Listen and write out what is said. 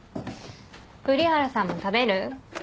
瓜原さんも食べる？